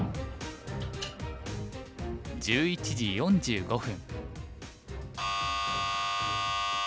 １１時４５分。